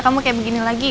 kamu kayak begini lagi ya